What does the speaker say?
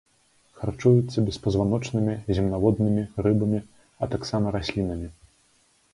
Харчуюцца беспазваночнымі, земнаводнымі, рыбамі, а таксама раслінамі.